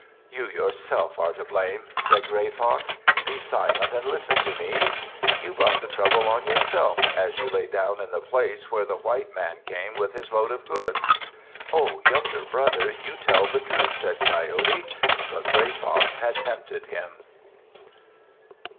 "You yourself are to blame," said Gray Fox. "Be silent and listen to me. You brought the trouble on yourself as you lay down in the place where the white man came with his load of goods." "Oh, younger brother, you tell the truth," said Coyote. But Gray Fox had tempted him.